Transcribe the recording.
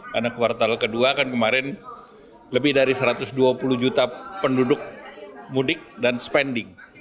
karena kuartal kedua kan kemarin lebih dari satu ratus dua puluh juta penduduk mudik dan spending